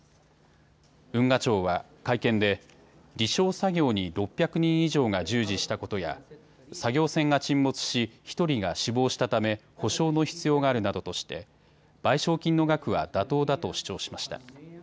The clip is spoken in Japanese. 運河庁は会見で離礁作業に６００人以上が従事したことや作業船が沈没し１人が死亡したため補償の必要があるなどとして賠償金の額は妥当だと主張しました。